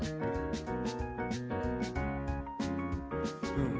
うん。